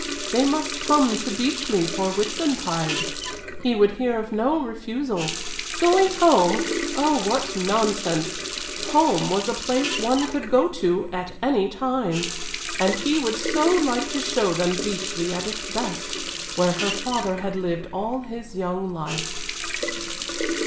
They must come to Beechleigh for Whitsuntide. He would hear of no refusal. Going home! Oh, what nonsense! Home was a place one could go to at any time. And he would so like to show them Beechleigh at its best, where her father had lived all his young life.